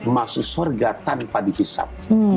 masuk surga tanpa dihisap